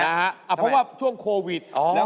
เพราะว่ารายการหาคู่ของเราเป็นรายการแรกนะครับ